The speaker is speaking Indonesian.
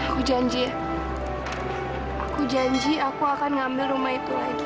aku janji aku janji aku akan ngambil rumah itu lagi